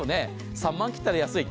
３万円切ったら安い。